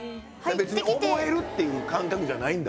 別に覚えるっていう感覚じゃないんだ？